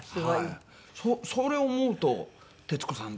それを思うと徹子さん